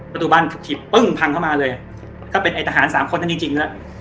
ประตูบั้นถูกถีบปึ้งพังเค้ามาเลยเขาเป็นไอ้ทหาร๓คนนั้นจริง